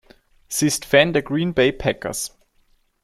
Sie ist Fan der Green Bay Packers.